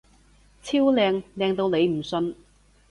超靚！靚到你唔信！